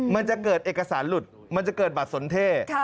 มันจะเกิดเอกสารหลุดมันจะเกิดบัตรสนเท่